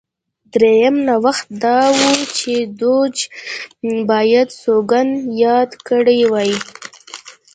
درېیم نوښت دا و چې دوج باید سوګند یاد کړی وای